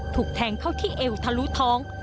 ถูกแทงเข้าที่เอวทะลุท้อง